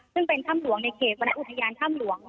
ซึ่งเป็นถ้ำหลวงในเขตวรรณอุทยานถ้ำหลวง